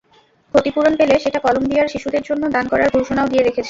ক্ষতিপূরণ পেলে সেটা কলম্বিয়ার শিশুদের জন্য দান করার ঘোষণাও দিয়ে রেখেছেন।